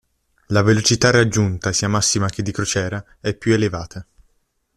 La velocità raggiunta sia massima che di crociera è più elevata.